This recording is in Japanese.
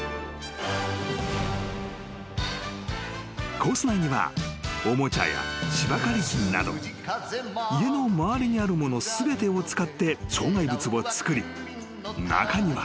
［コース内にはおもちゃや芝刈り機など家の周りにあるもの全てを使って障害物をつくり中には］